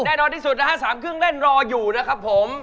แน่นอนที่สุดนะฮะ๓เครื่องเล่นรออยู่นะครับผม